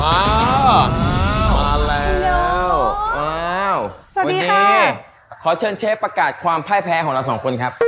มาแล้วอ้าววันนี้ขอเชิญเชฟประกาศความพ่ายแพ้ของเราสองคนครับ